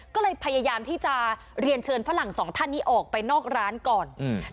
ก็เลยพยายามที่จะเรียนเชิญฝรั่งสองท่านนี้ออกไปนอกร้านก่อนอืม